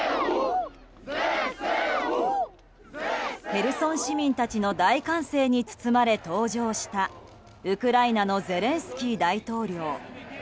ヘルソン市民たちの大歓声に包まれ登場したウクライナのゼレンスキー大統領。